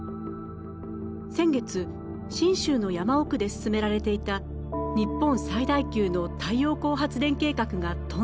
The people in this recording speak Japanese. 先月信州の山奥で進められていた日本最大級の太陽光発電計画が頓挫。